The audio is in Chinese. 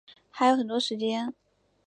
还有很多时间